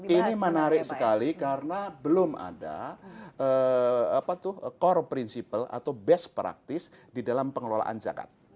ini menarik sekali karena belum ada core principle atau best practice di dalam pengelolaan zakat